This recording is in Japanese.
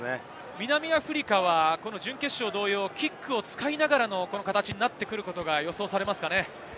南アフリカは準決勝同様、キックを使いながらの形になってくることが予想されますかね？